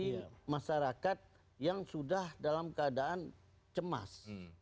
memancing emosi masyarakat yang sudah dalam keadaan cemas